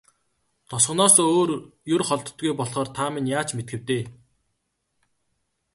Тосгоноосоо ер холддоггүй болохоор та минь ч яаж мэдэх вэ дээ.